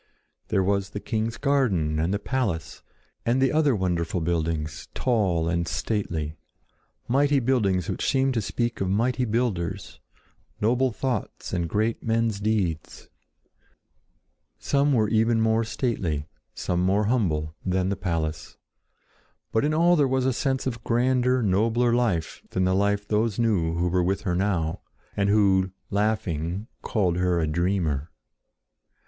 There was the king's garden and the palace, and the other wonderful buildings, tall and stately—mighty buildings which seemed to speak of mighty builders, noble thoughts and great men's deeds. Some were even more stately, some more humble, than the palace. But in all there was a sense of grander, nobler life than the life those knew who were with her now, and who, laughing, called her a dreamer.